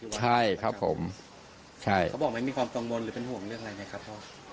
ใช่ครับผมใช่เขาบอกไหมมีความกังวลหรือเป็นห่วงเรื่องอะไรไหมครับพ่อ